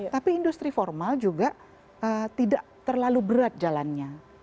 tapi industri formal juga tidak terlalu berat jalannya